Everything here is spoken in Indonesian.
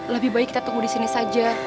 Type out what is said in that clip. lebih baik kita tunggu disini saja